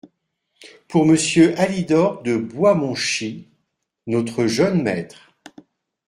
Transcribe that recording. Pour Monsieur Alidor de Boismouchy, notre jeune maître…